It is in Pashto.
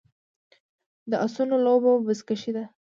د اسونو لوبه بزکشي ده